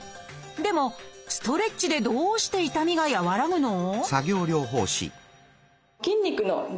でもストレッチでどうして痛みが和らぐの？